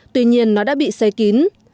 tuy nhiên nó đã bị xây kín